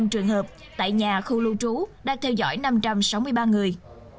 trường hợp tại nhà khu lưu trú đang theo dõi năm trăm sáu mươi ba người